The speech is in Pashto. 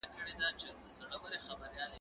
زه به اوږده موده موټر کار کړی وم،